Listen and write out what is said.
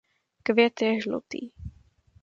Květ je žlutý.